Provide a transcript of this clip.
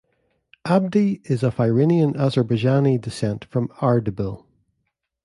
Abdi is of Iranian Azerbaijani descent from Ardabil.